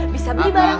bisa beli barang barang